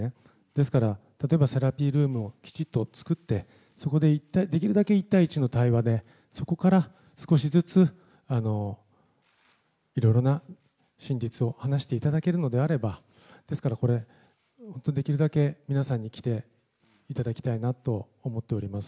ですから、例えば、セラピールームをきちっと作って、そこでできるだけ１対１の対話で、そこから少しずついろいろな真実を話していただけるのであれば、ですからこれ、本当にできるだけ皆さんに来ていただきたいなと思っております。